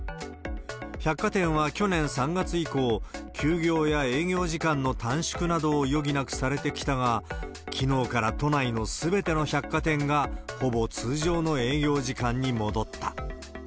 百貨店は去年３月以降、休業や営業時間の短縮などを余儀なくされてきたが、きのうから都内のすべての百貨店がほぼ通常の営業時間に戻った。